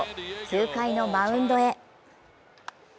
９回のマウンドへ。